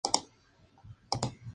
Se sitúa entre Ámsterdam y Haarlem.